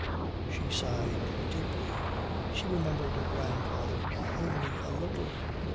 She sighed deeply. She remembered her grandfather only a little.